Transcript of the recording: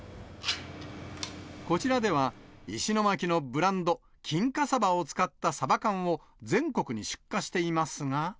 こちらでは、石巻のブランド、金華サバを使ったサバ缶を全国に出荷していますが。